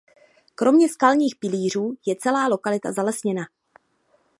Kromě skalních pilířů je celá lokalita zalesněna.